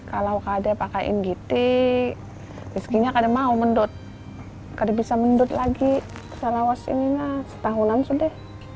hai kalau kade pakai ngt rizky nya kade mau mendut kade bisa mendut lagi selawas ini nah setahunan sudah